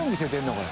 これ。